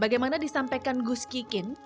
bagaimana disampaikan gus kikin